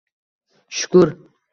Shukur.